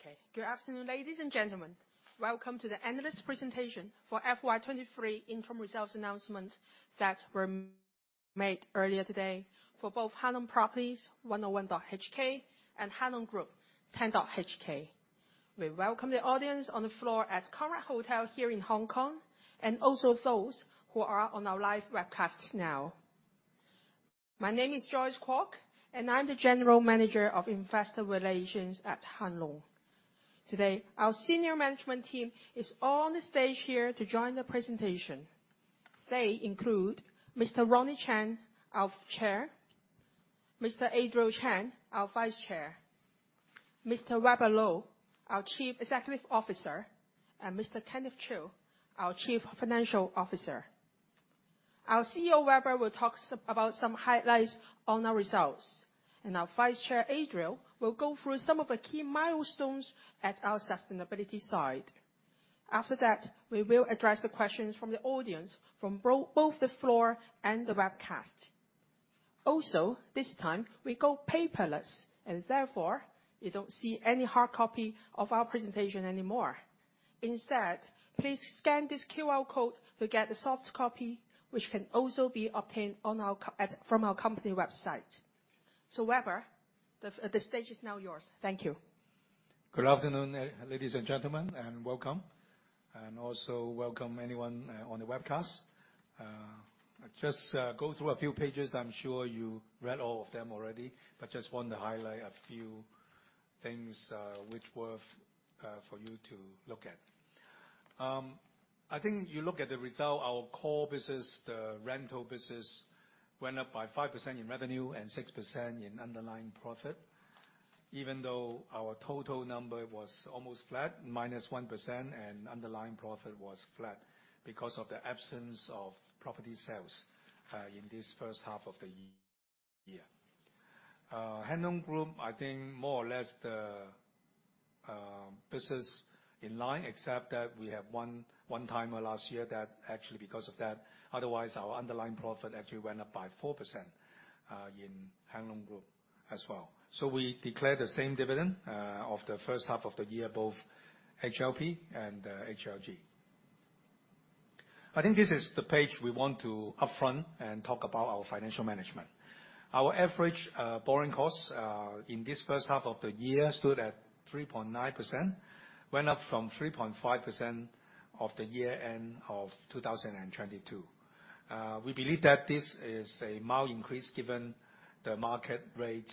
Okay. Good afternoon, ladies and gentlemen. Welcome to the analyst presentation for FY 2023 interim results announcement that were made earlier today for both Hang Lung Properties, 101.HK, and Hang Lung Group, 10.HK. We welcome the audience on the floor at Conrad Hong Kong here in Hong Kong, and also those who are on our live webcast now. My name is Joyce Kwok, and I'm the General Manager of Investor Relations at Hang Lung. Today, our senior management team is all on the stage here to join the presentation. They include Mr. Ronnie Chan, our Chair, Mr. Adriel Chan, our Vice Chair, Mr. Weber Lo, our Chief Executive Officer, and Mr. Kenneth Chiu, our Chief Financial Officer. Our CEO, Weber, will talk about some highlights on our results, and our Vice Chair, Adriel, will go through some of the key milestones at our sustainability side. After that, we will address the questions from the audience, from both the floor and the webcast. This time we go paperless, and therefore, you don't see any hard copy of our presentation anymore. Instead, please scan this QR code to get the soft copy, which can also be obtained from our company website. Weber, the stage is now yours. Thank you. Good afternoon, ladies and gentlemen, welcome, and also welcome anyone on the webcast. Just go through a few pages. I'm sure you read all of them already, just want to highlight a few things which worth for you to look at. I think you look at the result, our core business, the rental business, went up by 5% in revenue and 6% in underlying profit, even though our total number was almost flat, minus 1%, and underlying profit was flat because of the absence of property sales in this first 1/2 of the year. Hang Lung Group, I think more or less the business in line, except that we have 1 one-timer last year that actually because of that, otherwise, our underlying profit actually went up by 4% in Hang Lung Group as well. We declared the same dividend of the first 1/2 of the year, both HLP and HLG. I think this is the page we want to upfront and talk about our financial management. Our average borrowing costs in this first 1/2 of the year stood at 3.9%, went up from 3.5% of the year-end of 2022. We believe that this is a mild increase, given the market rate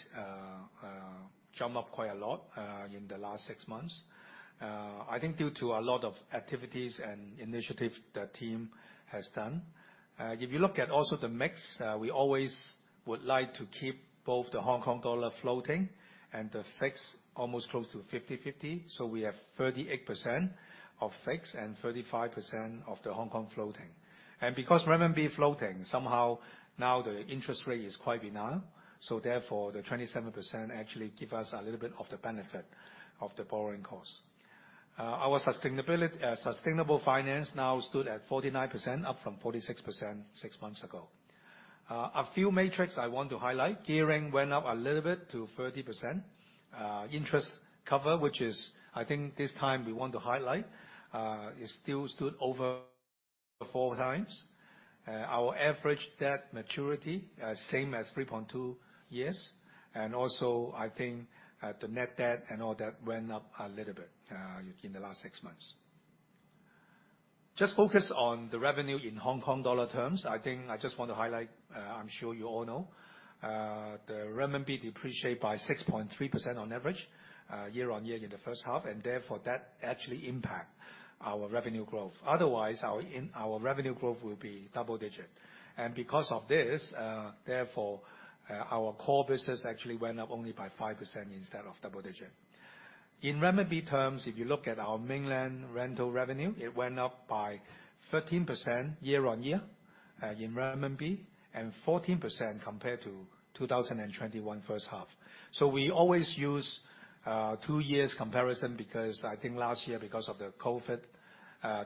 jump up quite a lot in the last 6 months. I think due to a lot of activities and initiatives the team has done. If you look at also the mix, we always would like to keep both the Hong Kong dollar floating and the fixed almost close to 50/50, so we have 38% of fixed and 35% of the Hong Kong floating. Because Renminbi floating, somehow now the interest rate is quite benign, so therefore, the 27% actually give us a little bit of the benefit of the borrowing costs. Our sustainable finance now stood at 49%, up from 46% 6 months ago. A few metrics I want to highlight. Gearing went up a little bit to 30%. Interest cover, which is, I think this time we want to highlight, it still stood over 4 times. Our average debt maturity, same as 3.2 years, and also, I think, the net debt and all that went up a little bit in the last 6 months. Just focus on the revenue in Hong Kong dollar terms. I think I just want to highlight, I'm sure you all know, the renminbi depreciated by 6.3% on average, year-on-year in the first 1/2, and therefore, that actually impact our revenue growth. Otherwise, our revenue growth will be double digit. Because of this, therefore, our core business actually went up only by 5% instead of double digit. In renminbi terms, if you look at our Mainland China rental revenue, it went up by 13% year-on-year in renminbi, and 14% compared to 2021 first 1/2. We always use 2 years comparison, because I think last year, because of the COVID,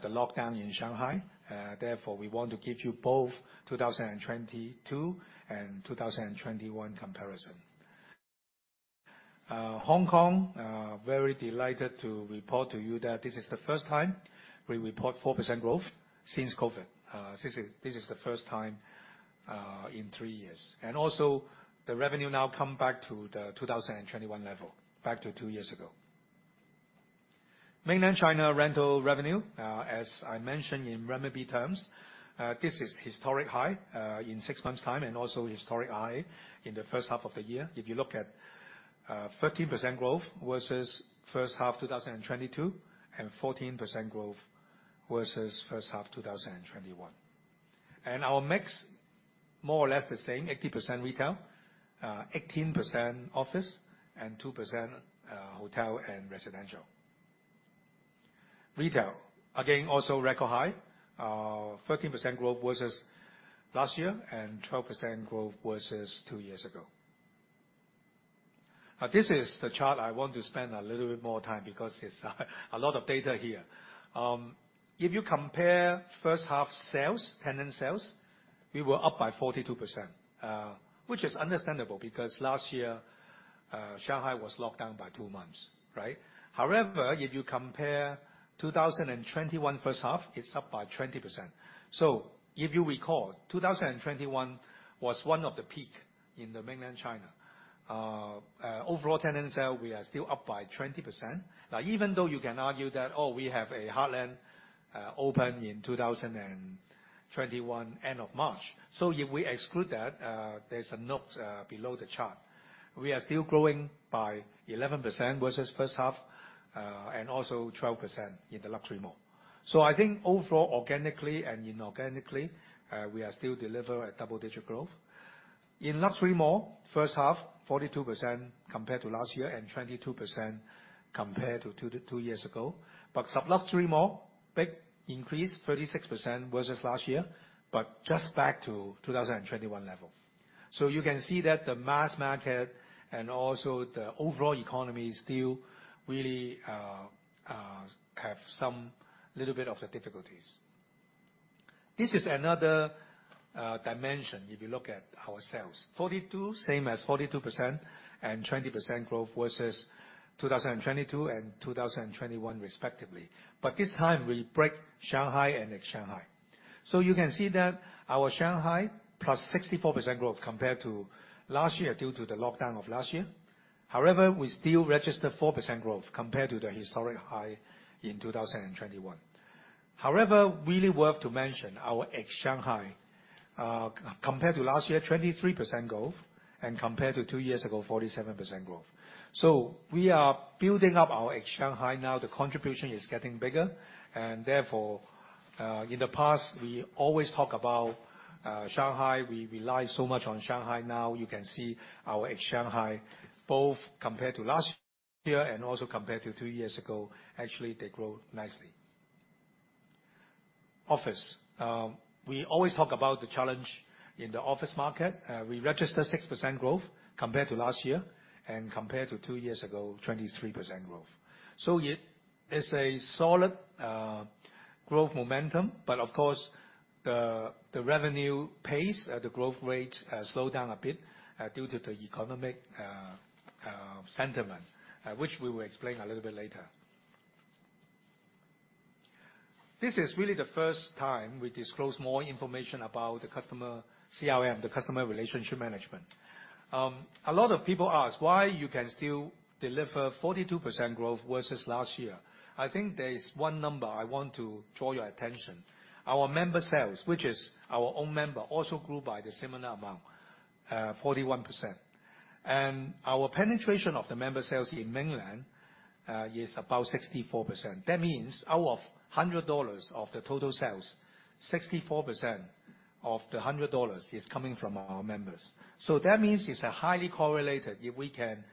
the lockdown in Shanghai, therefore, we want to give you both 2022 and 2021 comparison. Hong Kong, very delighted to report to you that this is the first time we report 4% growth since COVID. This is, this is the first time in 3 years. Also, the revenue now come back to the 2021 level, back to 2 years ago. Mainland China rental revenue, as I mentioned in RMB terms, this is historic high in 6 months' time, and also historic high in the first 1/2 of the year. If you look at 11% growth versus first 1/2 2022, and 11% growth versus first 1/2 2021. Our mix, more or less the same, 80% retail, 11% office, and 2% hotel and residential. Retail, again, also record high, 11% growth versus last year and 11% growth versus two years ago. This is the chart I want to spend a little bit more time because it's a lot of data here. If you compare first 1/2 sales, tenant sales... we were up by 42%, which is understandable, because last year, Shanghai was locked down by two months, right? If you compare 2021 first 1/2, it's up by 20%. If you recall, 2021 was one of the peak in Mainland China. Overall tenant sale, we are still up by 20%. Now, even though you can argue that, oh, we have a Heartland open in 2021, end of March, if we exclude that, there's a note below the chart. We are still growing by 11% versus first 1/2, and also 11% in the luxury mall. I think overall, organically and inorganically, we are still deliver a double-digit growth. In luxury mall, first 1/2, 42% compared to last year and 22% compared to two years ago. But sub-luxury mall, big increase, 36% versus last year, but just back to 2021 level. You can see that the mass market and also the overall economy still really have some little bit of the difficulties. This is another dimension if you look at our sales. 42, same as 42% and 20% growth versus 2022 and 2021 respectively. This time we break Shanghai and ex-Shanghai. You can see that our Shanghai plus 64% growth compared to last year, due to the lockdown of last year. However, we still registered 4% growth compared to the historic high in 2021. However, really worth to mention, our ex-Shanghai compared to last year, 23% growth, and compared to 2 years ago, 47% growth. We are building up our ex-Shanghai now. The contribution is getting bigger, and therefore, in the past, we always talk about Shanghai. We rely so much on Shanghai. Now, you can see our ex-Shanghai, both compared to last year and also compared to 2 years ago, actually, they grow nicely. Office. We always talk about the challenge in the office market. We registered 6% growth compared to last year, and compared to 2 years ago, 23% growth. It is a solid growth momentum, but of course, the, the revenue pace, the growth rate, slowed down a bit due to the economic sentiment, which we will explain a little bit later. This is really the first time we disclose more information about the customer CRM, the customer relationship management. A lot of people ask why you can still deliver 42% growth versus last year. I think there is one number I want to draw your attention. Our member sales, which is our own member, also grew by the similar amount, 41%. Our penetration of the member sales in Mainland is about 64%. That means out of $100 of the total sales, 64% of the $100 is coming from our members. That means it's a highly correlated. If we can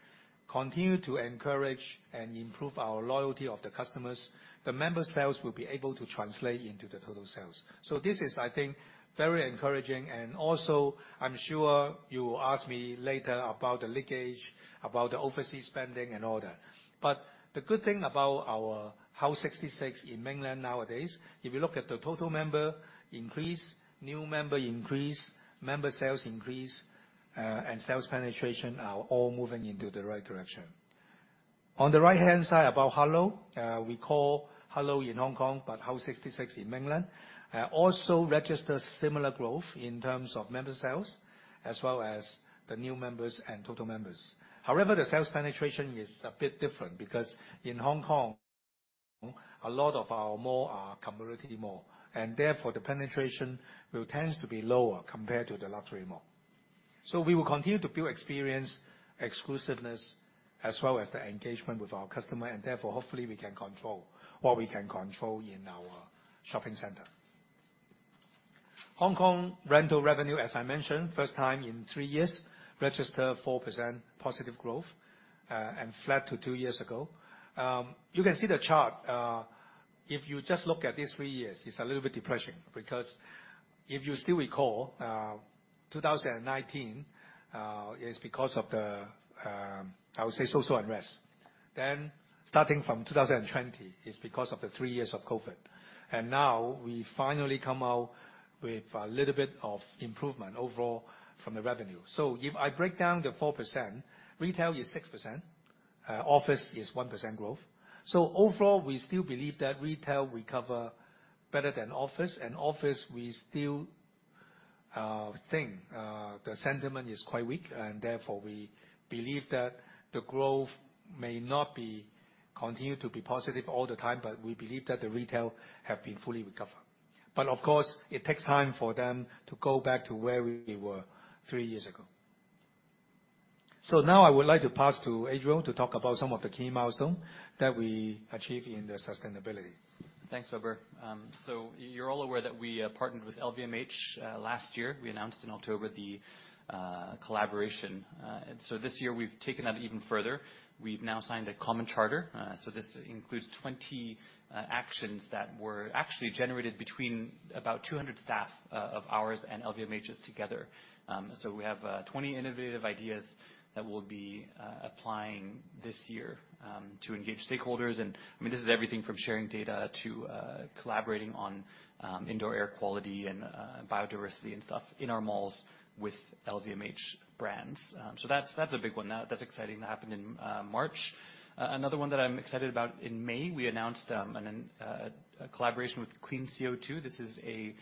continue to encourage and improve our loyalty of the customers, the member sales will be able to translate into the total sales. This is, I think, very encouraging, and also, I'm sure you will ask me later about the leakage, about the overseas spending and all that. The good thing about our House 66 in Mainland nowadays, if you look at the total member increase, new member increase, member sales increase, and sales penetration are all moving into the right direction. On the right-hand side, about hello, we call hello in Hong Kong, but HOUSE 66 in Mainland also registers similar growth in terms of member sales, as well as the new members and total members. The sales penetration is a bit different, because in Hong Kong, a lot of our mall are community mall, and therefore, the penetration will tends to be lower compared to the luxury mall. We will continue to build experience, exclusiveness, as well as the engagement with our customer, and therefore, hopefully, we can control what we can control in our shopping center. Hong Kong rental revenue, as I mentioned, first time in 3 years, registered 4% positive growth, and flat to 2 years ago. You can see the chart. If you just look at these 3 years, it's a little bit depressing, because if you still recall, 2019, is because of the, I would say social unrest. Starting from 2020, it's because of the 3 years of COVID. Now we finally come out with a little bit of improvement overall from the revenue. If I break down the 4%, retail is 6%, office is 1% growth. Overall, we still believe that retail recover better than office, and office, we still think the sentiment is quite weak, and therefore, we believe that the growth may not be continue to be positive all the time, but we believe that the retail have been fully recovered. Of course, it takes time for them to go back to where we were 3 years ago. Now I would like to pass to Adriel to talk about some of the key milestones that we achieved in the sustainability.... Thanks, Weber. You're all aware that we partnered with LVMH last year. We announced in October the collaboration. This year we've taken that even further. We've now signed a common charter. This includes 20 actions that were actually generated between about 200 staff of ours and LVMH's together. We have 20 innovative ideas that we'll be applying this year to engage stakeholders. I mean, this is everything from sharing data to collaborating on indoor air quality and biodiversity and stuff in our malls with LVMH brands. That's, that's a big one. That, that's exciting. That happened in March. Another one that I'm excited about, in May, we announced an a collaboration with CLEANCO2. This is a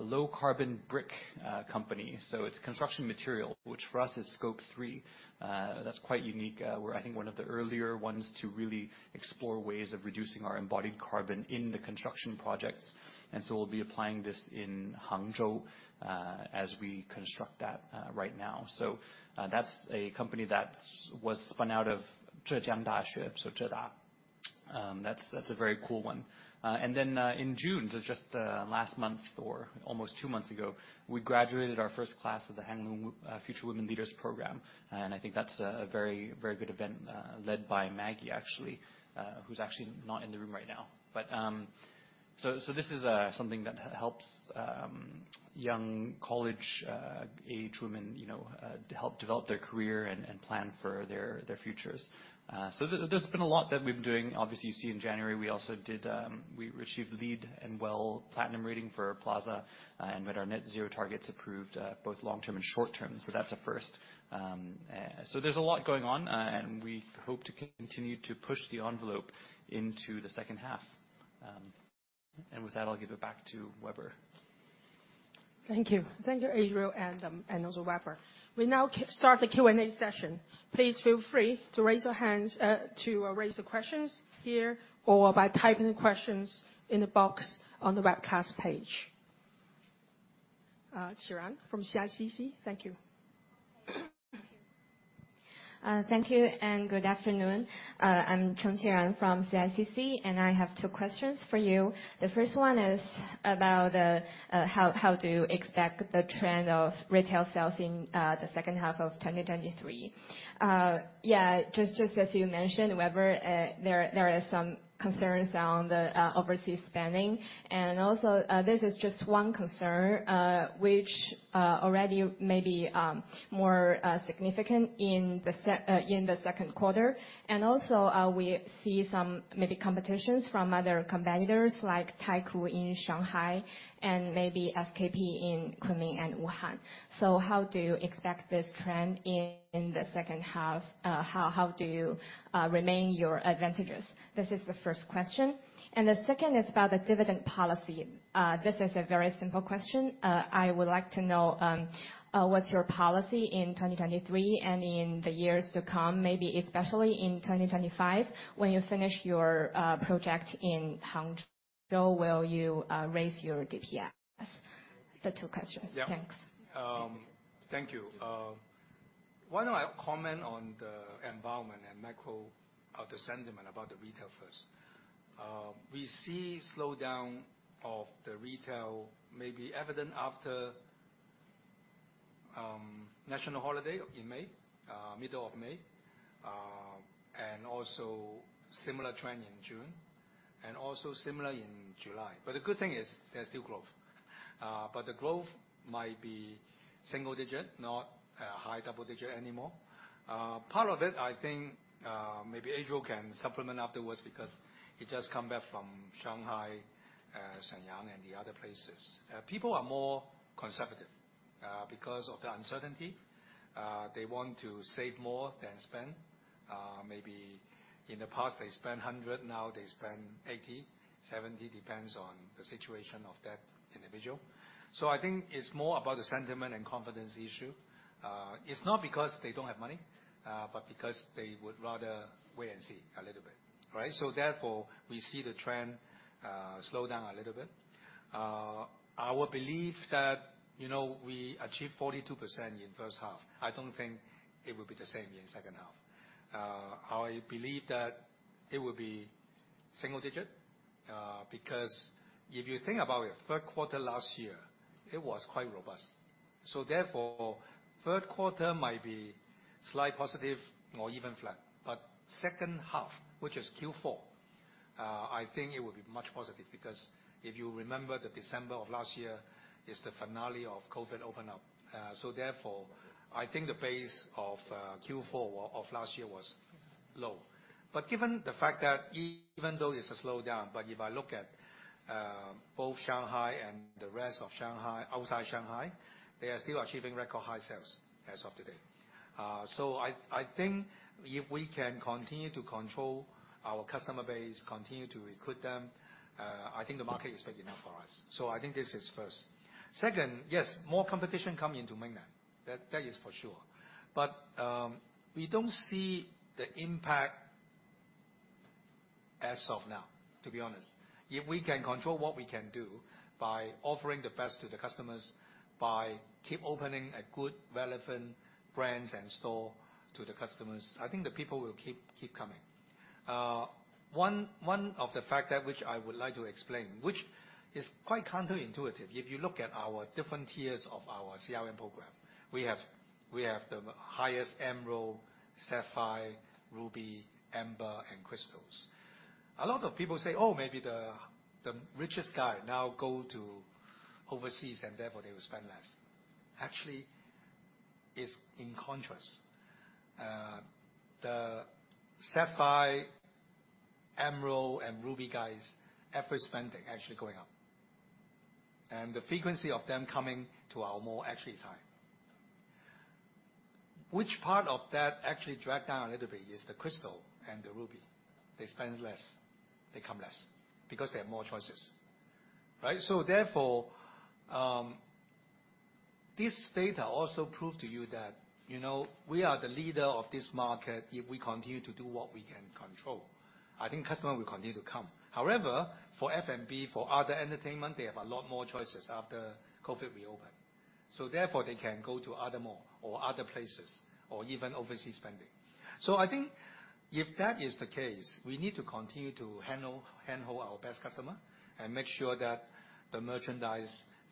low carbon brick company, so it's construction material, which for us is Scope 3. That's quite unique. We're, I think, one of the earlier ones to really explore ways of reducing our embodied carbon in the construction projects. We'll be applying this in Hangzhou as we construct that right now. That's a company that's was spun out of Zhejiang University, so Zheda. That's, that's a very cool one. In June, just last month or almost two months ago, we graduated our first class of the Hang Lung Future Women Leaders Program, and I think that's a very, very good event, led by Maggie, actually, who's actually not in the room right now. This is something that helps young college age women, you know, to help develop their career and, and plan for their futures. There's been a lot that we've been doing. Obviously, you see in January, we also did. We received LEED and WELL Platinum rating for Plaza and had our net zero targets approved, both long term and short term. That's a first. There's a lot going on, and we hope to continue to push the envelope into the second 1/2. With that, I'll give it back to Weber. Thank you. Thank you, Adriel and also Weber. We now start the Q&A session. Please feel free to raise your hands to raise your questions here, or by typing the questions in the box on the webcast page. Qiran from CICC. Thank you. Thank you, good afternoon. I'm Qiran from CICC, I have 2 questions for you. The first one is about how do you expect the trend of retail sales in the second 1/2 of 2023? Yeah, just as you mentioned, Weber, there are some concerns around the overseas spending. Also, this is just one concern which already may be more significant in the second 1/4. Also, we see some maybe competitions from other competitors, like Taikoo in Shanghai and maybe SKP in Kunming and Wuhan. How do you expect this trend in the second 1/2? How do you remain your advantages? This is the first question. The second is about the dividend policy. This is a very simple question. I would like to know, what's your policy in 2023 and in the years to come, maybe especially in 2025, when you finish your project in Hangzhou, will you raise your DPS? The two questions. Yeah. Thanks. Thank you. Why don't I comment on the environment and macro of the sentiment about the retail first? We see slowdown of the retail may be evident after national holiday in May, middle of May. Similar trend in June, and also similar in July. The good thing is, there's still growth. The growth might be single digit, not high double digit anymore. Part of it, I think, maybe Adriel can supplement afterwards, because he just come back from Shanghai, Shenyang, and the other places. People are more conservative because of the uncertainty. They want to save more than spend. Maybe in the past, they spend 100, now they spend 80, 70, depends on the situation of that individual. I think it's more about the sentiment and confidence issue. It's not because they don't have money, but because they would rather wait and see a little bit, right? Therefore, we see the trend, slow down a little bit. Our belief that, you know, we achieved 42% in first 1/2, I don't think it will be the same in second 1/2. I believe that it will be single digit because if you think about the third 1/4 last year, it was quite robust. Therefore, third 1/4 might be slight positive or even flat, but second 1/2, which is Q4, I think it will be much positive because if you remember, the December of last year is the finale of COVID open up. Therefore, I think the base of Q4 of last year was low. Given the fact that even though it's a slowdown, but if I look at both Shanghai and the rest of Shanghai, outside Shanghai, they are still achieving record high sales as of today. I, I think if we can continue to control our customer base, continue to recruit them, I think the market is big enough for us. I think this is first. Second, yes, more competition coming into Mainland, that, that is for sure. We don't see the impact as of now, to be honest. If we can control what we can do by offering the best to the customers, by keep opening a good relevant brands and store to the customers, I think the people will keep, keep coming. One, one of the fact that which I would like to explain, which is quite counterintuitive. If you look at our different tiers of our CRM program, we have, we have the highest Emerald, Sapphire, Ruby, Amber, and Crystals. A lot of people say, "Oh, maybe the, the richest guy now go to overseas, and therefore they will spend less." Actually, it's in contrast. The Sapphire, Emerald, and Ruby guys, F&B spending actually going up. And the frequency of them coming to our mall actually is high. Which part of that actually drag down a little bit is the Crystal and the Ruby. They spend less, they come less, because they have more choices, right? Therefore, this data also prove to you that, you know, we are the leader of this market if we continue to do what we can control. I think customer will continue to come. However, for F&B, for other entertainment, they have a lot more choices after COVID reopen. Therefore, they can go to other mall or other places, or even overseas spending. I think if that is the case, we need to continue to handhold our best customer and make sure that the merchandise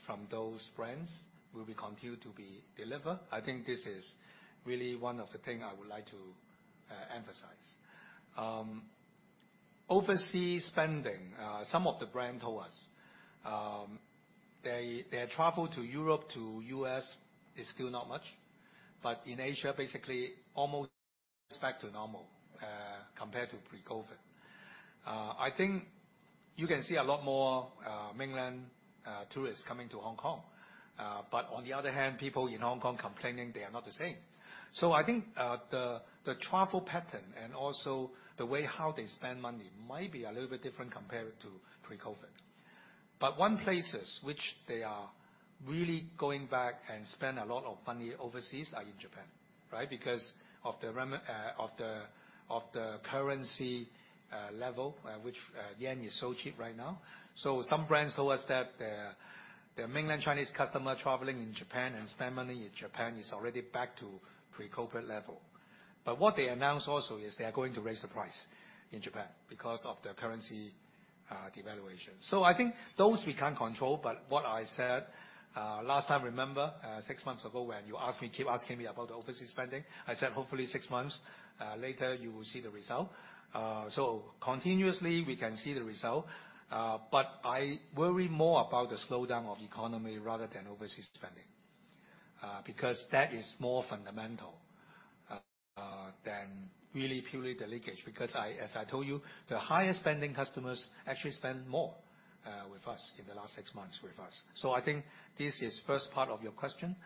from those brands will be continued to be delivered. I think this is really one of the things I would like to emphasize. Overseas spending, some of the brand told us, they, they travel to Europe, to US, is still not much. In Asia, basically, almost back to normal, compared to Pre-COVID. I think you can see a lot more mainland tourists coming to Hong Kong. On the other hand, people in Hong Kong complaining they are not the same. I think the travel pattern and also the way how they spend money might be a little bit different compared to Pre-COVID. One places which they are really going back and spend a lot of money overseas, are in Japan, right? Because of the currency level, which yen is so cheap right now. Some brands told us that their, their mainland Chinese customer traveling in Japan and spend money in Japan, is already back to Pre-COVID level. What they announced also is they are going to raise the price in Japan because of the currency devaluation. I think those we can't control, but what I said, last time, remember, 6 months ago, when you asked me, keep asking me about the overseas spending, I said, hopefully, 6 months later, you will see the result. Continuously, we can see the result, but I worry more about the slowdown of economy rather than overseas spending, because that is more fundamental than really purely the leakage. As I told you, the highest spending customers actually spend more with us in the last 6 months with us. I think this is first part of your question.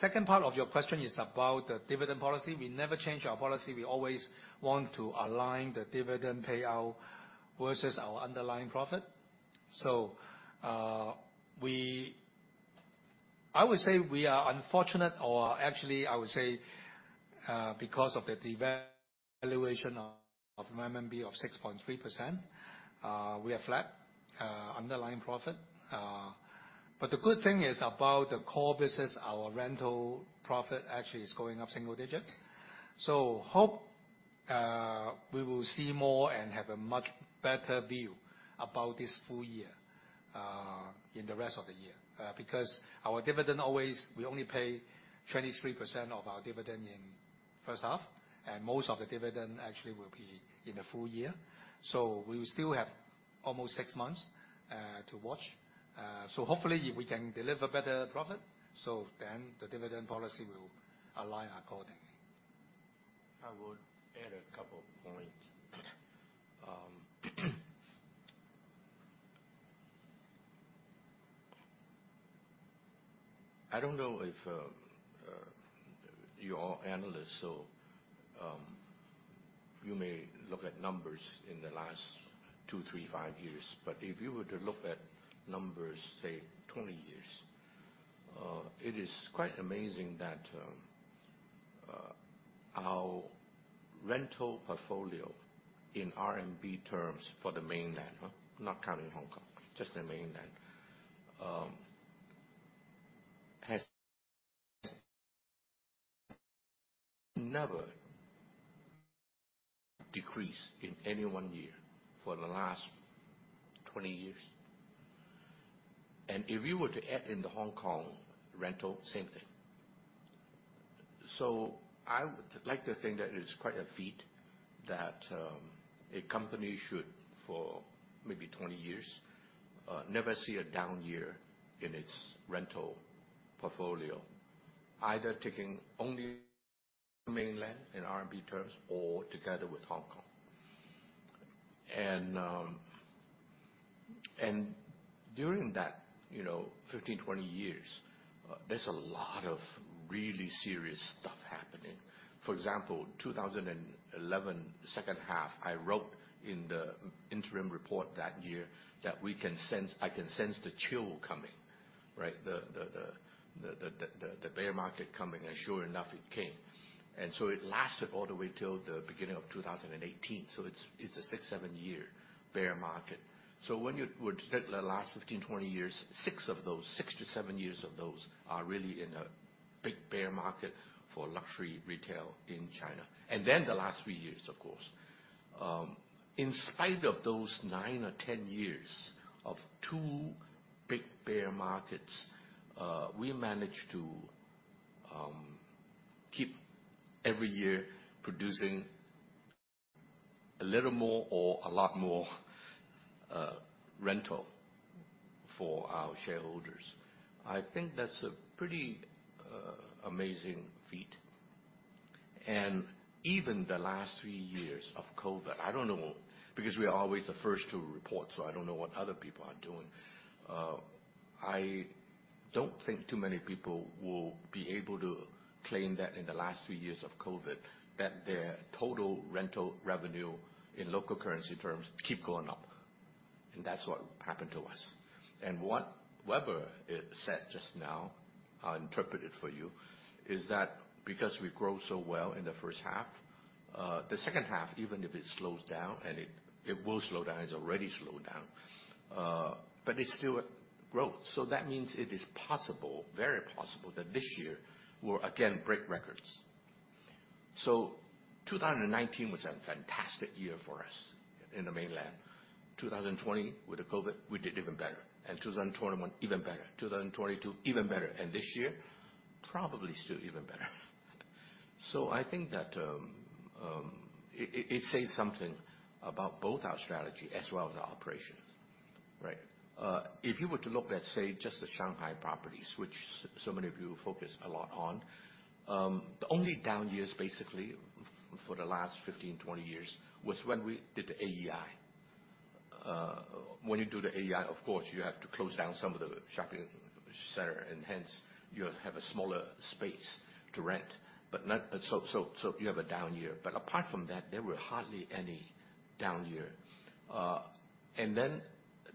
Second part of your question is about the dividend policy. We never change our policy. We always want to align the dividend payout versus our underlying profit. I would say we are unfortunate, or actually, I would say, because of the devaluation of RMB of 6.3%, we are flat, underlying profit. The good thing is about the core business, our rental profit actually is going up single digits. Hope, we will see more and have a much better view about this full year in the rest of the year. Our dividend always, we only pay 23% of our dividend in first 1/2, and most of the dividend actually will be in the full year. We will still have almost 6 months to watch. Hopefully, if we can deliver better profit, so then the dividend policy will align accordingly. I would add a couple of points. I don't know if you're all analysts, so you may look at numbers in the last 2, 3, 5 years. If you were to look at numbers, say, 20 years, it is quite amazing that our rental portfolio in RMB terms for the Mainland, not counting Hong Kong, just the Mainland, has never decreased in any 1 year for the last 20 years. If you were to add in the Hong Kong rental, same thing. I would like to think that it is quite a feat that a company should, for maybe 20 years, never see a down year in its rental portfolio, either taking only Mainland in RMB terms or together with Hong Kong. During that, you know, 11, 20 years, there's a lot of really serious stuff happening. For example, 2011, second 1/2, I wrote in the interim report that year that I can sense the chill coming, right? The bear market coming, sure enough, it came. It lasted all the way till the beginning of 2018. It's a six, seven-year bear market. When you would take the last 11, 20 years, six of those, six to seven years of those are really in a big bear market for luxury retail in China, and then the last three years, of course. In spite of those 9 or 10 years of two big bear markets, we managed to keep every year producing a little more or a lot more rental for our shareholders. I think that's a pretty amazing feat. Even the last 3 years of COVID, I don't know, because we are always the first to report, so I don't know what other people are doing. I don't think too many people will be able to claim that in the last 3 years of COVID, that their total rental revenue in local currency terms keep going up, and that's what happened to us. What Weber said just now, I'll interpret it for you, is that because we grew so well in the first 1/2, the second 1/2, even if it slows down, and it, it will slow down, it's already slowed down, but it's still growth. That means it is possible, very possible, that this year we'll again break records. 2019 was a fantastic year for us in the mainland. 2020, with the COVID, we did even better. 2021, even better. 2022, even better. This year, probably still even better. I think that it, it, it says something about both our strategy as well as our operations, right? If you were to look at, say, just the Shanghai properties, which so many of you focus a lot on, the only down years basically for the last 11, 20 years, was when we did the AEI. When you do the AEI, of course, you have to close down some of the shopping center, and hence you have a smaller space to rent, but you have a down year. But apart from that, there were hardly any down year. Then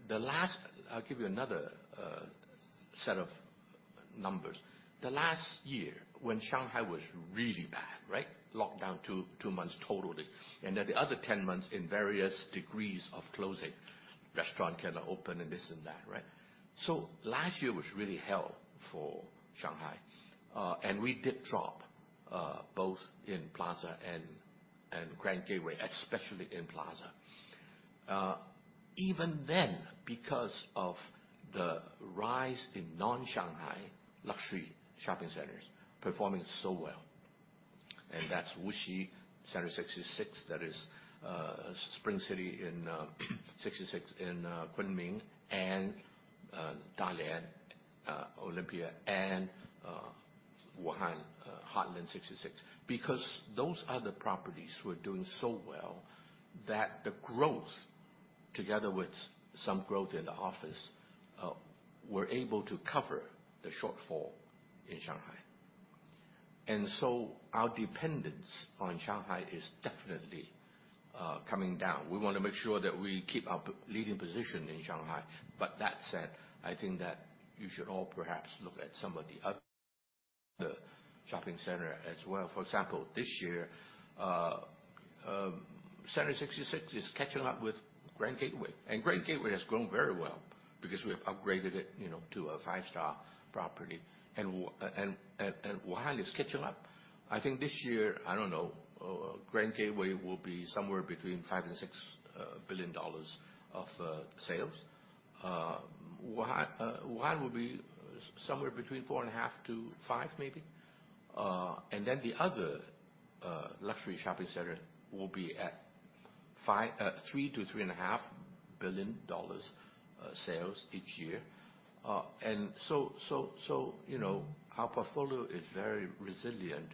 the last... I'll give you another set of numbers. The last year, when Shanghai was really bad, right? Locked down 2, 2 months totally, and then the other 10 months in various degrees of closing. Restaurant cannot open, and this and that, right? Last year was really hell for Shanghai, and we did drop, both in Plaza and, and Grand Gateway, especially in Plaza. Even then, because of the rise in non-Shanghai luxury shopping centers performing so well, and that's Wuxi Center 66, that is, Spring City 66 in Kunming, and Dalian Olympia 66, and Wuhan Heartland 66. Because those other properties were doing so well, that the growth, together with some growth in the office, were able to cover the shortfall in Shanghai. Our dependence on Shanghai is definitely coming down. We want to make sure that we keep our leading position in Shanghai. That said, I think that you should all perhaps look at some of the other shopping center as well. For example, this year, Center 66 is catching up with Grand Gateway. Grand Gateway has grown very well because we have upgraded it, you know, to a five-star property. Wuhan is catching up. I think this year, I don't know, Grand Gateway will be somewhere between $5 billion-$6 billion of sales. Wuhan, Wuhan will be somewhere between $4.5 billion-$5 billion, maybe. The other luxury shopping center will be at $3 billion-$3.5 billion sales each year. You know, our portfolio is very resilient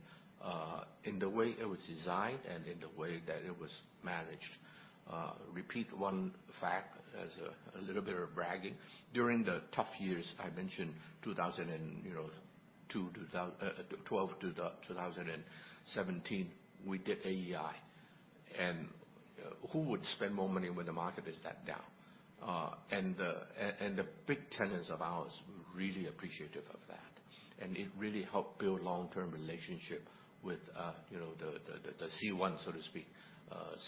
in the way it was designed and in the way that it was managed. Repeat one fact as a little bit of bragging. During the tough years, I mentioned 2002, you know, 2012 to 2017, we did AEI. Who would spend more money when the market is that down? The big tenants of ours were really appreciative of that, and it really helped build long-term relationship with, you know, the C1, so to speak,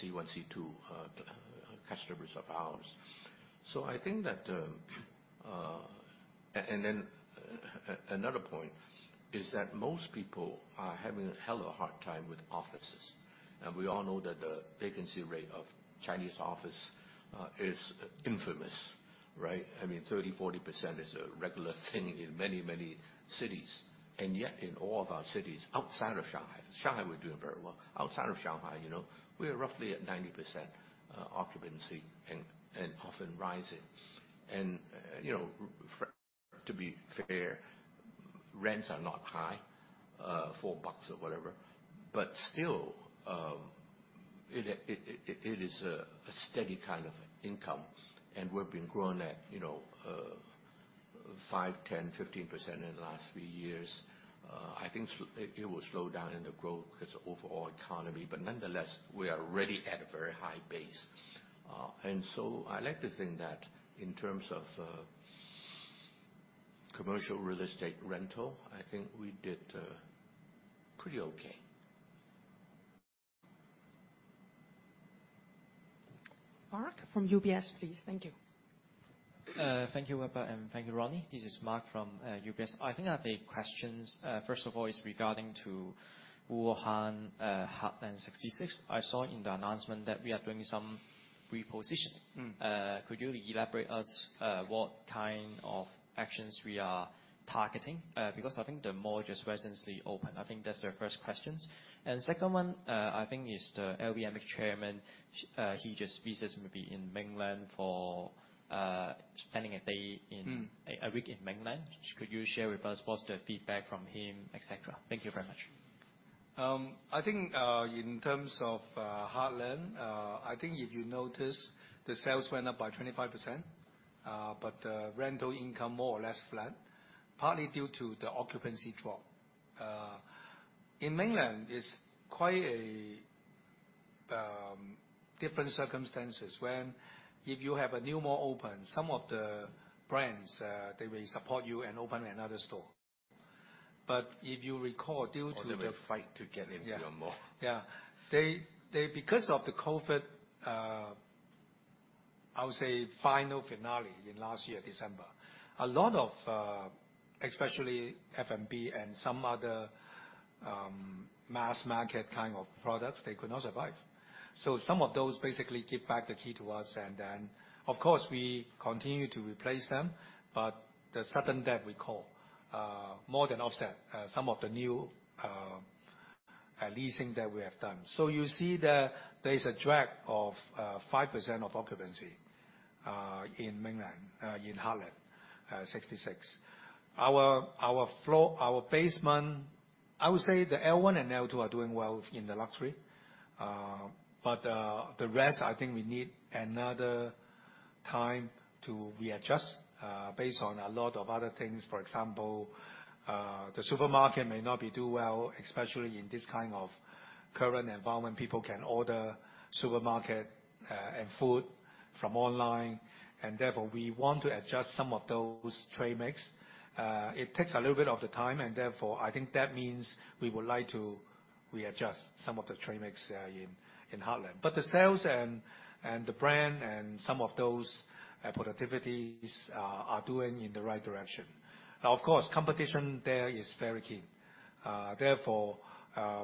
C1, C2 customers of ours. I think that. Then another point is that most people are having a hell of a hard time with offices. We all know that the vacancy rate of Chinese office is infamous, right? I mean, 30%-40% is a regular thing in many, many cities. Yet in all of our cities, outside of Shanghai, Shanghai, we're doing very well. Outside of Shanghai, you know, we are roughly at 90% occupancy and often rising. to be fair, rents are not high, $4 or whatever, but still, it is a steady kind of income, and we've been growing at, you know, 5%, 10%, 11% in the last few years. I think it will slow down in the growth, 'cause the overall economy, but nonetheless, we are already at a very high base. so I like to think that in terms of... commercial real estate rental, I think we did pretty okay. Mark from UBS, please. Thank you. Thank you, Weber, and thank you, Ronnie. This is Mark from UBS. I think that the questions, first of all, is regarding to Wuhan, Heartland 66. I saw in the announcement that we are doing some reposition. Mm. Could you elaborate us, what kind of actions we are targeting? I think the mall just recently opened. I think that's the first questions. Second one, I think is the LVMH chairman, he just visits maybe in Mainland for spending a day in- Mm a week in Mainland. Could you share with us what's the feedback from him, et cetera? Thank you very much. I think, in terms of Heartland, I think if you notice, the sales went up by 25%, but rental income more or less flat, partly due to the occupancy drop. In Mainland China, it's quite a different circumstances when if you have a new mall open, some of the brands, they will support you and open another store. If you recall, due to the- They will fight to get into your mall. Yeah. Yeah. They, they-- Because of the COVID, I would say final finale in last year, December, a lot of, especially F&B and some other, mass market kind of products, they could not survive. Some of those basically give back the key to us, and then, of course, we continue to replace them, but the sudden debt we call, more than offset, some of the new, leasing that we have done. You see that there is a drag of 5% of occupancy in Mainland, in Heartland 66. Our, our floor, our basement, I would say the L1 and L2 are doing well in the luxury. But, the rest, I think we need another time to readjust, based on a lot of other things. For example, the supermarket may not be doing well, especially in this kind of current environment. People can order supermarket and food from online. Therefore, we want to adjust some of those trade mix. It takes a little bit of the time. Therefore, I think that means we would like to readjust some of the trade mix in Heartland. The sales and the brand and some of those productivities are doing in the right direction. Now, of course, competition there is very keen. Therefore,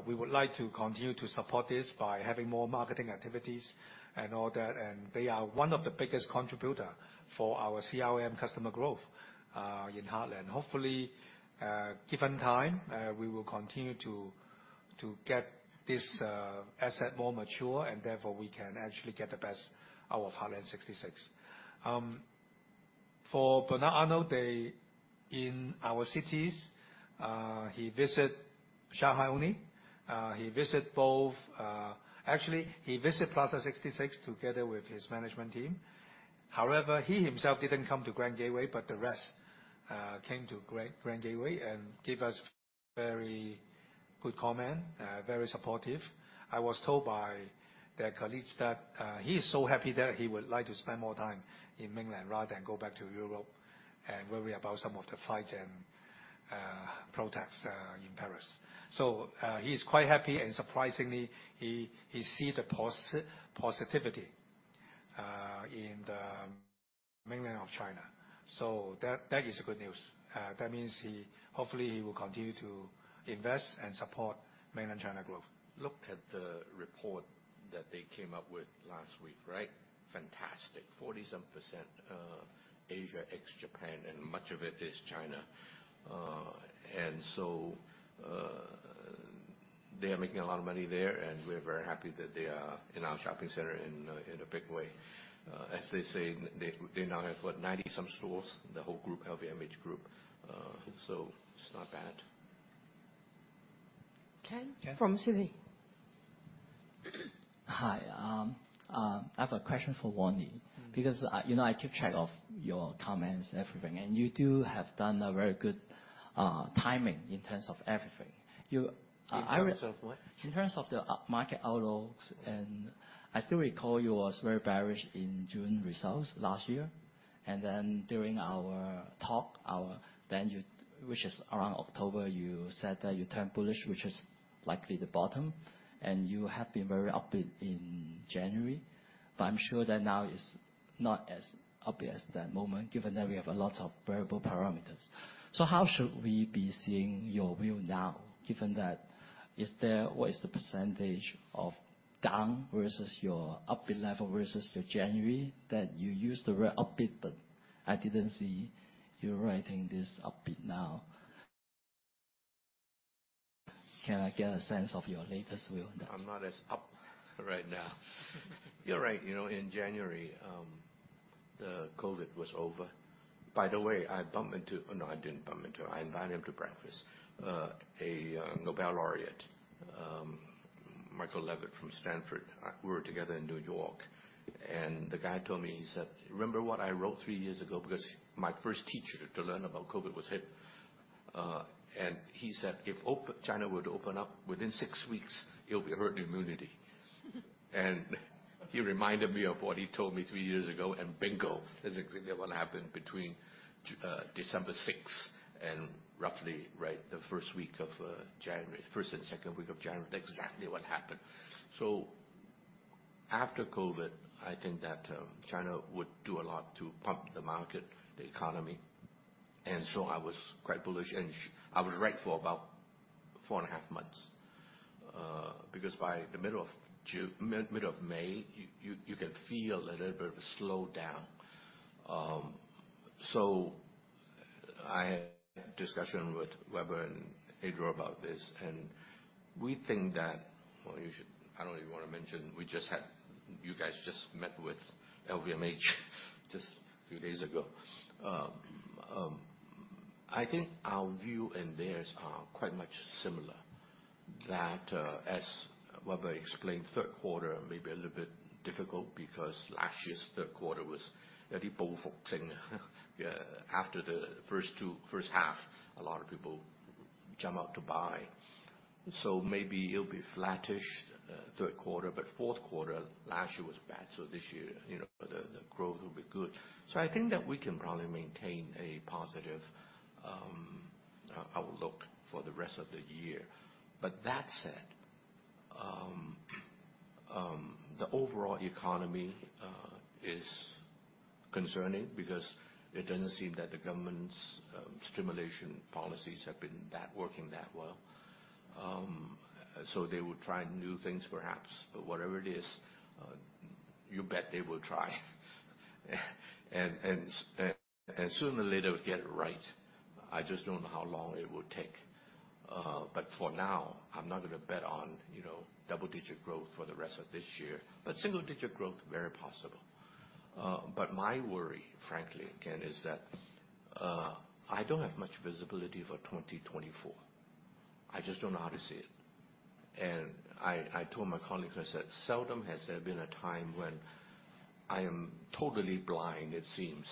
we would like to continue to support this by having more marketing activities and all that. They are one of the biggest contributor for our CRM customer growth in Heartland. Hopefully, given time, we will continue to get this asset more mature, and therefore, we can actually get the best out of Heartland 66. For Bernard Arnault, they in our cities, he visit Shanghai only. Actually, he visit Plaza 66 together with his management team. However, he himself didn't come to Grand Gateway, but the rest came to Grand Gateway and gave us very good comment, very supportive. I was told by their colleagues that he is so happy there, he would like to spend more time in mainland rather than go back to Europe and worry about some of the fight and protests in Paris. He is quite happy, and surprisingly, he see the positivity in the Mainland China. That is a good news. That means hopefully, he will continue to invest and support Mainland China growth. Looked at the report that they came up with last week, right? Fantastic. 47%, Asia, ex-Japan, and much of it is China. They are making a lot of money there, and we're very happy that they are in our shopping center in a big way. As they say, they, they now have, what, 90-some stores, the whole group, LVMH Group. It's not bad. Ken, from Citi. Hi. I have a question for Ronnie. Mm. Because, you know, I keep track of your comments and everything, and you do have done a very good, timing in terms of everything. You. In terms of what? In terms of the upmarket outlooks. I still recall you was very bearish in June results last year. During our talk, then you, which is around October, you said that you turned bullish, which is likely the bottom, and you have been very upbeat in January. I'm sure that now it's not as upbeat as that moment, given that we have a lot of variable parameters. How should we be seeing your view now, given that, is there what is the % of down versus your upbeat level versus the January, that you used the word upbeat, but I didn't see you writing this upbeat now. Can I get a sense of your latest view on that? I'm not as up right now. You're right. You know, in January, the COVID was over. By the way, I bumped into... Oh, no, I didn't bump into, I invited him to breakfast, a Nobel laureate, Michael Levitt from Stanford. We were together in New York, and the guy told me, he said, "Remember what I wrote 3 years ago?" My first teacher to learn about COVID was him.... and he said, "If China were to open up, within six weeks, it'll be herd immunity." He reminded me of what he told me three years ago, and bingo, that's exactly what happened between December sixth and roughly, right, the first week of January. First and second week of January, that's exactly what happened. After COVID, I think that China would do a lot to pump the market, the economy, and so I was quite bullish. I was right for about 4.5 months. Because by the middle of June... mid of May, you can feel a little bit of a slowdown. I had a discussion with Weber and Adriel about this, and we think that, well, you should- I don't even want to mention, we just had- you guys just met with LVMH just a few days ago. I think our view and theirs are quite much similar, that as Weber explained, third 1/4 may be a little bit difficult because last year's third 1/4 was very... After the first 1/2, a lot of people jump out to buy. Maybe it'll be flattish, third 1/4, fourth 1/4 last year was bad. This year, you know, the growth will be good. I think that we can probably maintain a positive outlook for the rest of the year. That said, the overall economy is concerning because it doesn't seem that the government's stimulation policies have been that working that well. They will try new things, perhaps. Whatever it is, you bet they will try. Sooner or later, we'll get it right. I just don't know how long it will take. For now, I'm not going to bet on, you know, double-digit growth for the rest of this year. Single-digit growth, very possible. My worry, frankly, again, is that I don't have much visibility for 2024. I just don't know how to see it. I, I told my colleague, I said, "Seldom has there been a time when I am totally blind, it seems,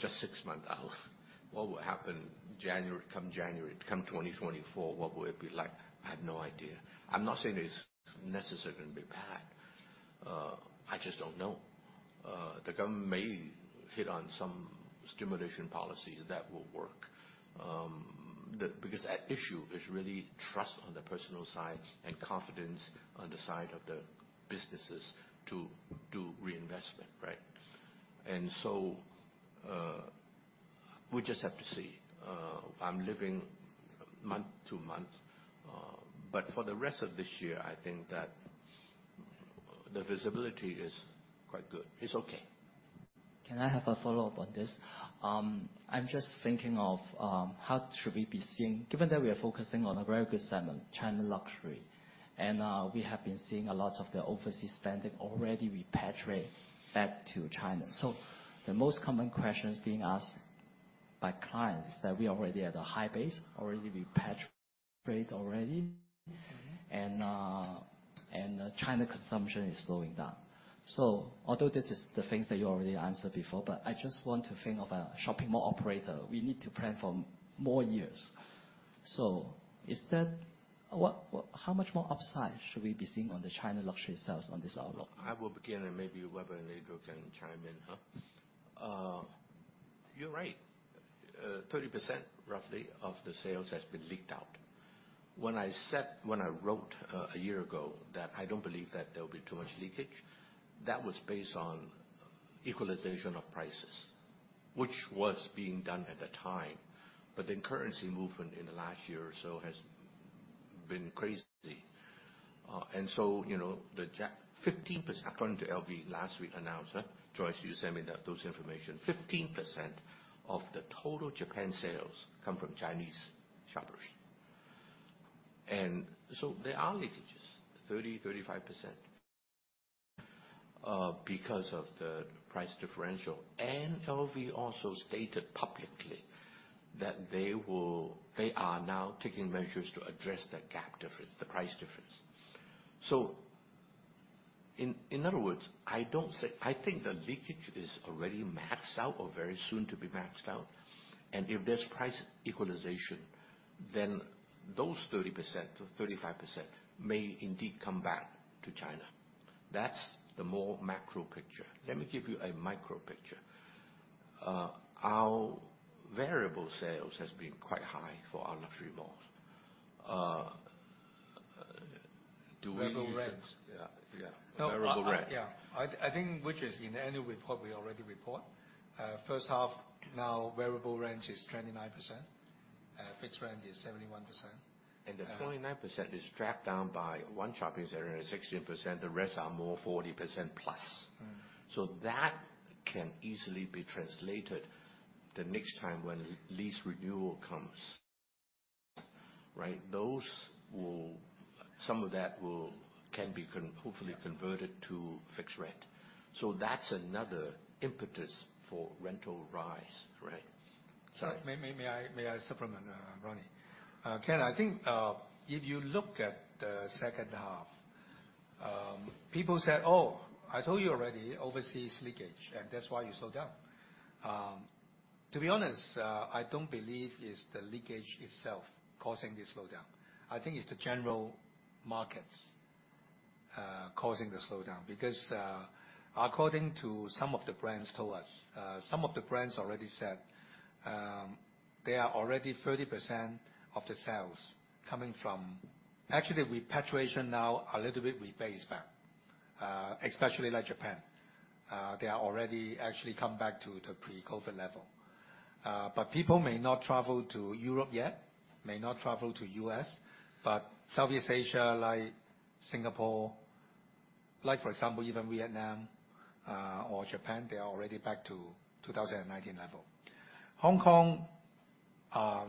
just 6 months out." What will happen January, come January, come 2024, what will it be like? I have no idea. I'm not saying it's necessarily going to be bad, I just don't know. The government may hit on some stimulation policies that will work. Because at issue is really trust on the personal side and confidence on the side of the businesses to do reinvestment, right? We just have to see. I'm living month to month, but for the rest of this year, I think that the visibility is quite good. It's okay. Can I have a follow-up on this? I'm just thinking of, how should we be seeing... Given that we are focusing on a very good segment, China luxury, and we have been seeing a lot of the overseas spending already repatriate back to China. The most common questions being asked by clients, that we are already at a high base, already repatriate already, and China consumption is slowing down. Although this is the things that you already answered before, but I just want to think of a shopping mall operator. We need to plan for more years. How much more upside should we be seeing on the China luxury sales on this outlook? I will begin, maybe Weber and Adriel can chime in, huh? You're right. 30%, roughly, of the sales has been leaked out. When I said, when I wrote, a year ago that I don't believe that there will be too much leakage, that was based on equalization of prices, which was being done at the time. Then currency movement in the last year or so has been crazy. So, you know, the 11%, according to LV, last week announced, huh? Joyce, you sent me that, those information. 11% of the total Japan sales come from Chinese shoppers. So there are leakages, 30%-35%, because of the price differential. LV also stated publicly that they are now taking measures to address the gap difference, the price difference. In, in other words, I think the leakage is already maxed out or very soon to be maxed out. If there's price equalization, then those 30% or 35% may indeed come back to China. That's the more macro picture. Let me give you a micro picture. Our variable sales has been quite high for our luxury malls. Do we- Variable rents. Yeah, yeah. Variable rent. Yeah. I think, which is in the annual report we already report. First 1/2, now, variable rent is 29%, fixed rent is 71%. The 29% is strapped down by one shopping center and 11%, the rest are more 40%+. Mm. That can easily be translated the next time when lease renewal comes, right? Some of that will, can be con-. Yeah... hopefully converted to fixed rent. That's another impetus for rental rise, right? Sorry, may, may, may I, may I supplement, Ronnie? Ken, I think, if you look at the second 1/2-... People said, "Oh, I told you already, overseas leakage, and that's why you slow down." To be honest, I don't believe it's the leakage itself causing the slowdown. I think it's the general markets, causing the slowdown, because, according to some of the brands told us, some of the brands already said, they are already 30% of the sales coming from-- actually, repatriation now a little bit rebase back, especially like Japan. They are already actually come back to the Pre-COVID level. People may not travel to Europe yet, may not travel to U.S., but Southeast Asia, like Singapore, like for example, even Vietnam, or Japan, they are already back to 2019 level. Hong Kong,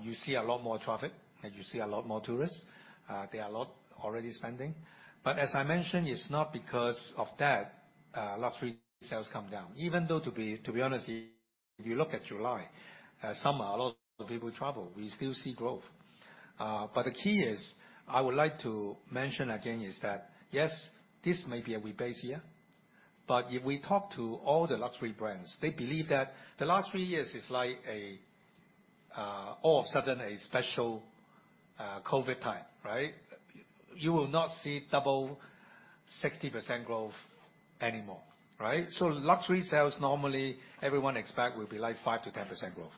you see a lot more traffic, and you see a lot more tourists. They are a lot already spending. As I mentioned, it's not because of that, luxury sales come down. Even though, to be honest, if you look at July, summer, a lot of people travel, we still see growth. The key is, I would like to mention again, is that, yes, this may be a rebase year, but if we talk to all the luxury brands, they believe that the last 3 years is like a, all of a sudden, a special, COVID time, right? You will not see double 60% growth anymore, right? Luxury sales, normally, everyone expect will be like 5% to 10% growth,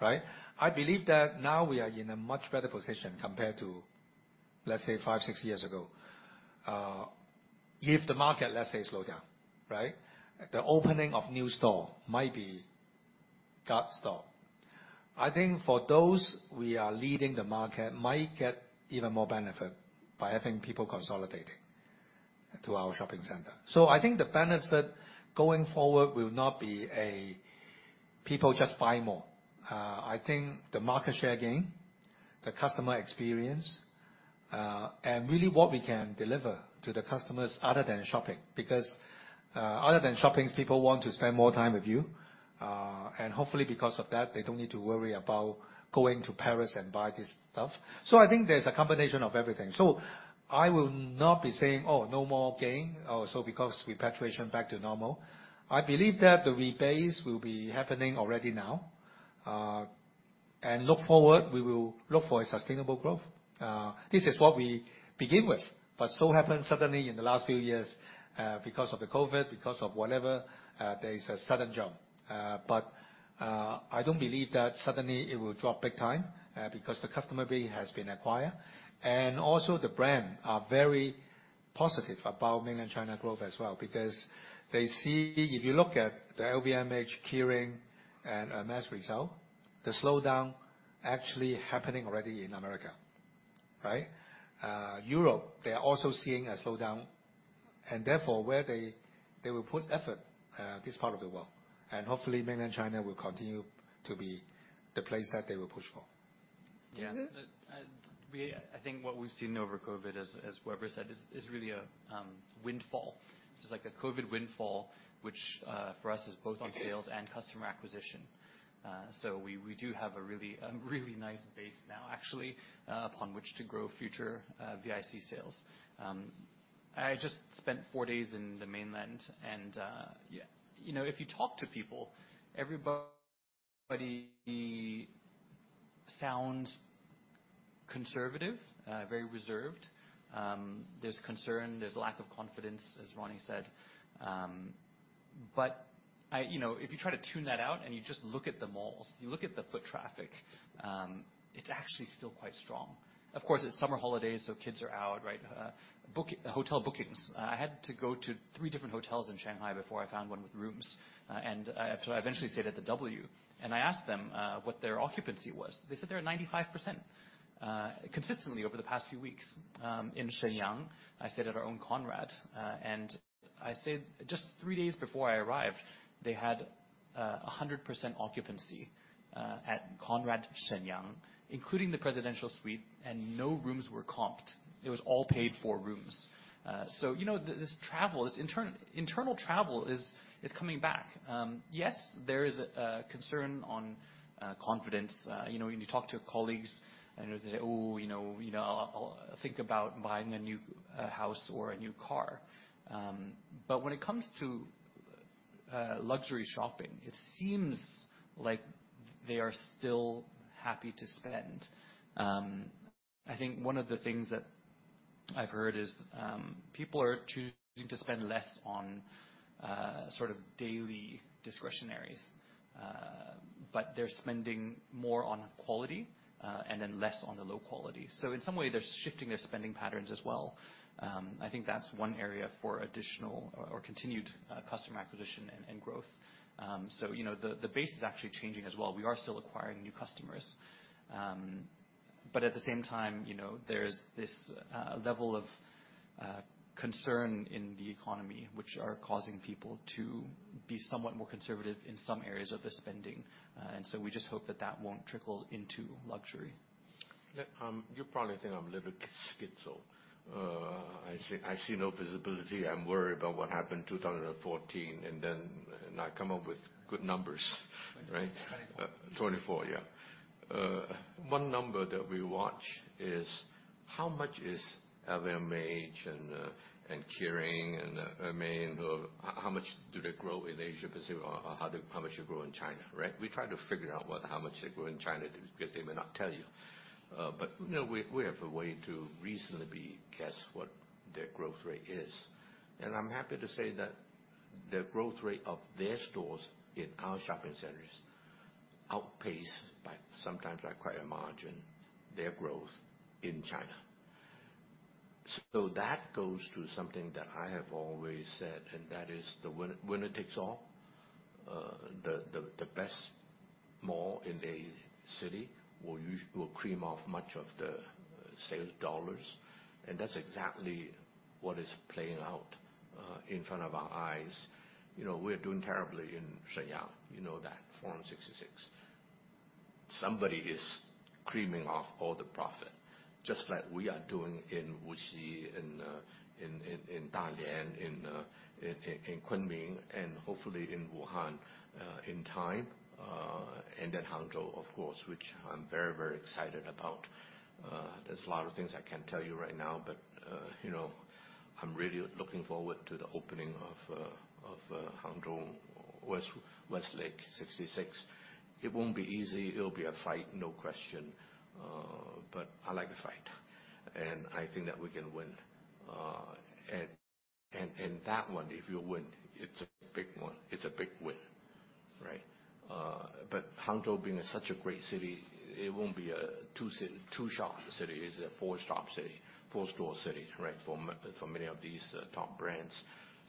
right? I believe that now we are in a much better position compared to, let's say, 5, 6 years ago. If the market, let's say, slow down, right? The opening of new store might be cut store. I think for those we are leading the market might get even more benefit by having people consolidating to our shopping center. I think the benefit going forward will not be a people just buy more. I think the market share gain, the customer experience, and really what we can deliver to the customers other than shopping, because, other than shopping, people want to spend more time with you. Hopefully because of that, they don't need to worry about going to Paris and buy this stuff. I think there's a combination of everything. I will not be saying, "Oh, no more gain," so because repatriation back to normal. I believe that the rebase will be happening already now. Look forward, we will look for a sustainable growth. This is what we begin with, but so happened suddenly in the last few years, because of the COVID, because of whatever, there is a sudden jump. I don't believe that suddenly it will drop big time, because the customer base has been acquired, and also the brand are very positive about Mainland China growth as well, because they see... If you look at the LVMH, Kering, and Hermès result, the slowdown actually happening already in America, right? Europe, they are also seeing a slowdown, and therefore, where they, they will put effort, this part of the world. Hopefully, Mainland China will continue to be the place that they will push for. Yeah. Mm-hmm. I think what we've seen over COVID as, as Weber said, is, is really a windfall. This is like a COVID windfall, which for us is both in sales-. Okay... and customer acquisition. We, we do have a really, a really nice base now, actually, upon which to grow future VIC sales. I just spent 4 days in the Mainland, and, yeah, you know, if you talk to people, everybody sounds conservative, very reserved. There's concern, there's lack of confidence, as Ronnie said. You know, if you try to tune that out and you just look at the malls, you look at the foot traffic, it's actually still quite strong. Of course, it's summer holidays, so kids are out, right? Hotel bookings. I had to go to 3 different hotels in Shanghai before I found one with rooms. I eventually stayed at the W, and I asked them what their occupancy was. They said they were at 95% consistently over the past few weeks. In Shenyang, I stayed at our own Conrad, and just 3 days before I arrived, they had 100% occupancy at Conrad Shenyang, including the Presidential Suite, and no rooms were comped. It was all paid-for rooms. You know, this, this travel, this internal travel is, is coming back. There is a concern on confidence. You know, when you talk to colleagues, and they say, "Oh, you know, you know, I'll, I'll think about buying a new house or a new car." When it comes to luxury shopping, it seems like they are still happy to spend. I think one of the things that I've heard is, people are choosing to spend less on sort of daily discretionaries, but they're spending more on quality, and then less on the low quality. In some way, they're shifting their spending patterns as well. I think that's one area for additional or, or continued, customer acquisition and, and growth. You know, the, the base is actually changing as well. We are still acquiring new customers. At the same time, you know, there's this level of concern in the economy, which are causing people to be somewhat more conservative in some areas of their spending. We just hope that that won't trickle into luxury. Yeah, you probably think I'm a little schizo. I see, I see no visibility. I'm worried about what happened in 2014, and then, and I come up with good numbers, right? Twenty-four. 24, yeah. one number that we watch is- how much is LVMH and Kering and Hermès, how much do they grow in Asia Pacific or how they, how much they grow in China, right? We try to figure out how much they grow in China, because they may not tell you. But, you know, we, we have a way to reasonably guess what their growth rate is. I'm happy to say that the growth rate of their stores in our shopping centers outpace by, sometimes by quite a margin, their growth in China. That goes to something that I have always said, and that is the win-winner takes all. The, the, the best mall in a city will cream off much of the sales dollars, and that's exactly what is playing out in front of our eyes. You know, we're doing terribly in Shenyang, you know that, Forum 66. Somebody is creaming off all the profit, just like we are doing in Wuxi, in Dalian, in Kunming, and hopefully in Wuhan, in time. Then Hangzhou, of course, which I'm very, very excited about. There's a lot of things I can't tell you right now, but you know, I'm really looking forward to the opening of Hangzhou, West Lake 66. It won't be easy. It'll be a fight, no question, but I like to fight, and I think that we can win. That one, if you win, it's a big one. It's a big win, right? Hangzhou being such a great city, it won't be a 2-shop city. It's a 4-shop city, 4-store city, right? For many of these top brands.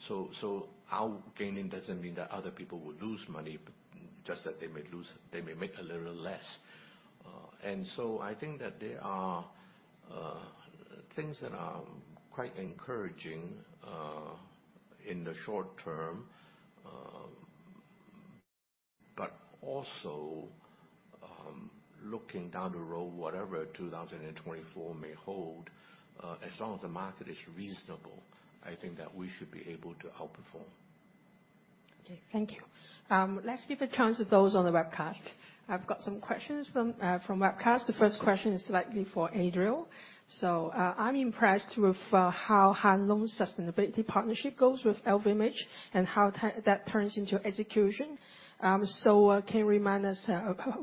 So our gaining doesn't mean that other people will lose money, but just that they may make a little less. So I think that there are things that are quite encouraging in the short term, but also, looking down the road, whatever 2024 may hold, as long as the market is reasonable, I think that we should be able to outperform. Okay, thank you. Let's give a chance to those on the webcast. I've got some questions from from webcast. The first question is likely for Adriel. I'm impressed with how Hang Lung Sustainability Partnership goes with LVMH and how that turns into execution. Can you remind us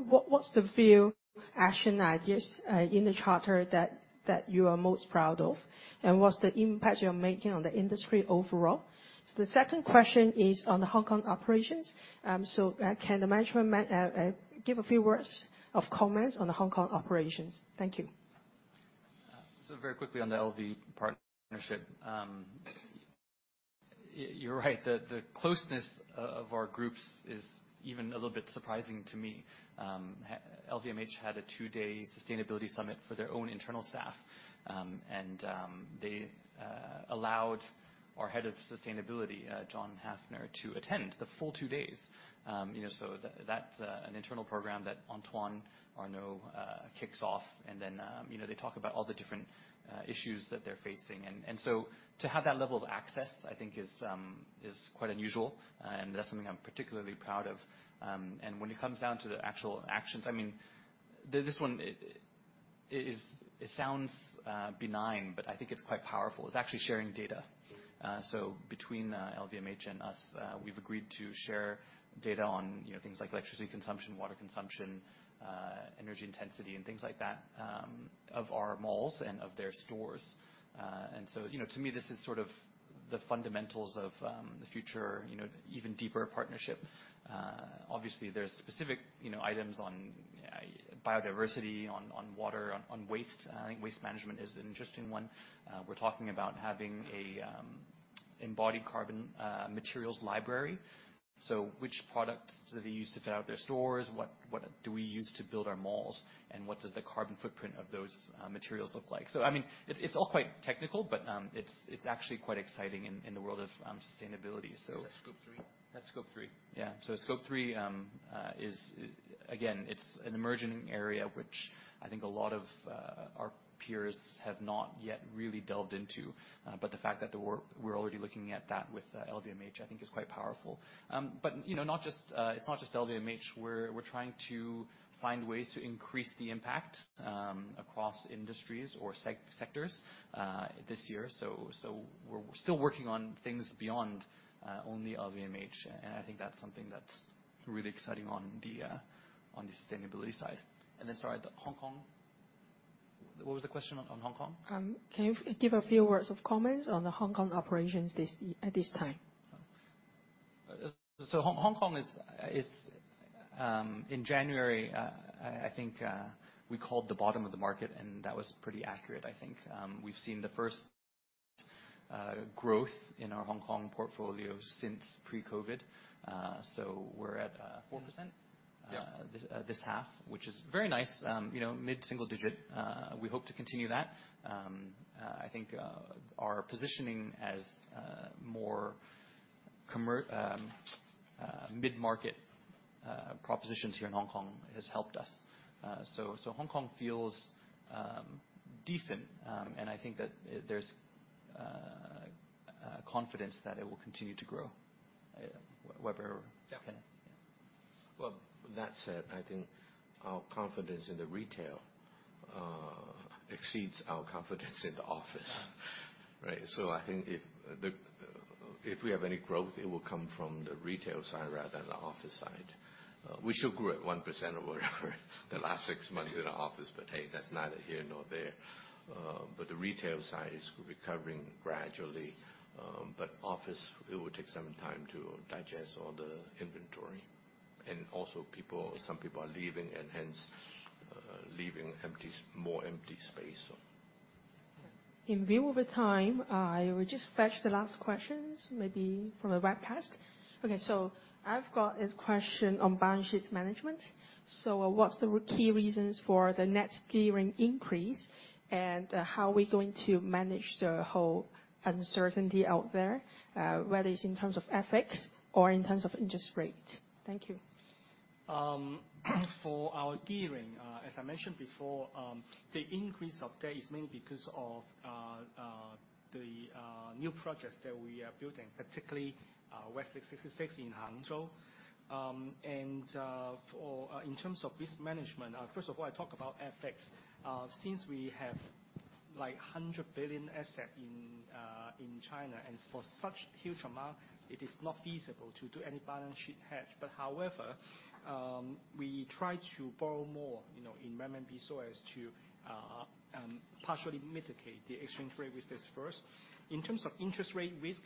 what, what's the few action ideas in the charter that, that you are most proud of? What's the impact you're making on the industry overall? The second question is on the Hong Kong operations. Can the management give a few words of comments on the Hong Kong operations? Thank you. Very quickly on the LV partnership. Y- you're right, the closeness of our groups is even a little bit surprising to me. H- LVMH had a 2-day sustainability summit for their own internal staff, and they allowed our head of sustainability, John Haffner, to attend the full 2 days. You know, so that- that's an internal program that Antoine Arnault kicks off, and then, you know, they talk about all the different issues that they're facing. To have that level of access, I think is quite unusual, and that's something I'm particularly proud of. When it comes down to the actual actions, I mean, th- this one, it, it is, it sounds benign, but I think it's quite powerful. It's actually sharing data. Between LVMH and us, we've agreed to share data on, you know, things like electricity consumption, water consumption, energy intensity, and things like that, of our malls and of their stores. To me, this is sort of the fundamentals of the future, you know, even deeper partnership. Obviously, there are specific, you know, items on biodiversity, on water, on waste. I think waste management is an interesting one. We're talking about having a embodied carbon materials library. Which products do they use to fit out their stores? What do we use to build our malls? What does the carbon footprint of those materials look like? I mean, it's, it's all quite technical, but it's, it's actually quite exciting in, in the world of sustainability. Is that Scope 3? That's Scope 3. Yeah. Scope 3 is, again, it's an emerging area, which I think a lot of our peers have not yet really delved into. The fact that we're already looking at that with LVMH, I think is quite powerful. You know, not just, it's not just LVMH. We're trying to find ways to increase the impact across industries or sectors this year. We're still working on things beyond only LVMH, I think that's something that's really exciting on the sustainability side. Then, sorry, the Hong Kong... What was the question on Hong Kong? Can you give a few words of comments on the Hong Kong operations at this time? Hong Kong is in January, I think, we called the bottom of the market, and that was pretty accurate, I think. We've seen the first growth in our Hong Kong portfolio since Pre-COVID. We're at 4%- Yeah. this, this 1/2, which is very nice, you know, mid-single digit. We hope to continue that. I think, our positioning as, more mid-market, propositions here in Hong Kong has helped us. so Hong Kong feels, decent, and I think that there's -... confidence that it will continue to grow. Weber? Yeah. That said, I think our confidence in the retail exceeds our confidence in the office, right? I think if the if we have any growth, it will come from the retail side rather than the office side. We still grew at 1% or whatever the last 6 months in the office, but, hey, that's neither here nor there. The retail side is recovering gradually, but office, it will take some time to digest all the inventory. Also people, some people are leaving and hence leaving empty more empty space, so. In view of the time, I will just fetch the last questions, maybe from the webcast. Okay, I've got a question on balance sheet management. What's the key reasons for the net gearing increase, and how are we going to manage the whole uncertainty out there, whether it's in terms of FX or in terms of interest rate? Thank you. For our gearing, as I mentioned before, the increase of that is mainly because of the new projects that we are building, particularly Westlake 66 in Hangzhou. For in terms of risk management, first of all, I talk about FX. Since we have, like, 100 billion asset in China, for such huge amount, it is not feasible to do any balance sheet hedge. However, we try to borrow more, you know, in renminbi so as to partially mitigate the exchange rate with this first. In terms of interest rate risk,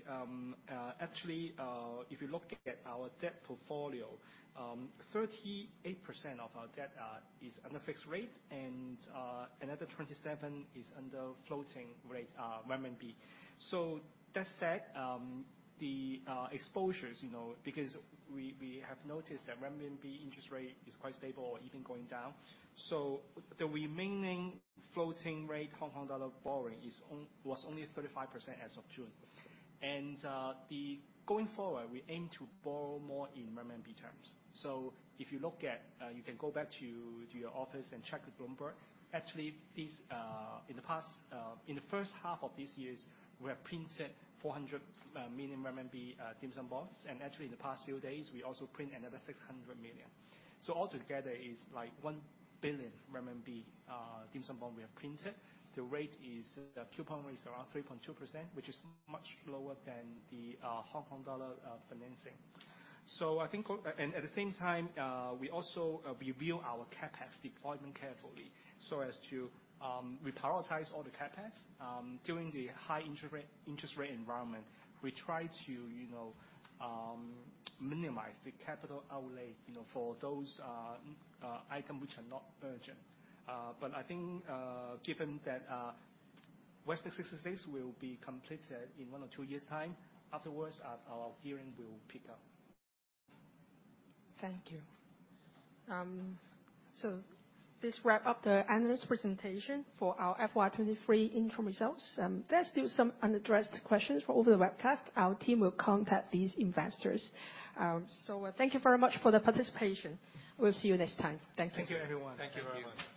actually, if you look at our debt portfolio, 38% of our debt is under fixed rate, another 27 is under floating rate renminbi. That said, the exposures, you know, because we, we have noticed that Renminbi interest rate is quite stable or even going down. The remaining floating rate Hong Kong dollar borrowing was only 35% as of June. Going forward, we aim to borrow more in Renminbi terms. If you look at, you can go back to your office and check the Bloomberg. Actually, this in the past, in the first 1/2 of this year, we have printed 400 million RMB dim sum bonds, and actually, in the past few days, we also print another 600 million. All together is like one billion RMB dim sum bond we have printed. The rate is, the coupon rate is around 3.2%, which is much lower than the Hong Kong dollar financing. I think and, at the same time, we also, we view our CapEx deployment carefully so as to, we prioritize all the CapEx. During the high interest rate, interest rate environment, we try to, you know, minimize the capital outlay, you know, for those item which are not urgent. I think, given that Westlake 66 will be completed in one or two years' time, afterwards, our, our gearing will pick up. Thank you. This wrap up the analyst presentation for our FY 23 interim results. There are still some unaddressed questions for over the webcast. Our team will contact these investors. Thank you very much for the participation. We'll see you next time. Thank you. Thank you, everyone. Thank you very much. Thank you.